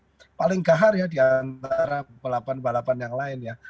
tapi ini mungkin paling gahar ya diantara balapan balapan yang lain ya